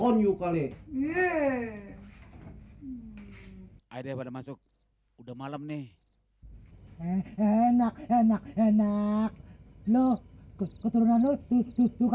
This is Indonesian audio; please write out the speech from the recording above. on you kali iya airnya pada masuk udah malam nih enak enak enak lo keturunan lo tuh tuh tuh